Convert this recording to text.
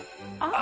あ！